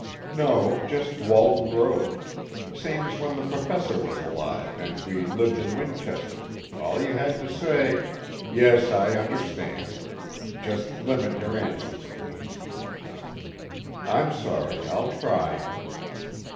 "No, just Walton Road. Same's when The Professor was alive and we lived in Winchester, all you had to say " "Yes, I understand. Just limit your answers, please." "I'm sorry. I'll try."